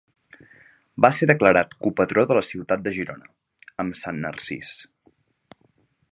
Va ser declarat copatró de la ciutat de Girona, amb sant Narcís.